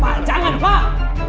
pak jangan pak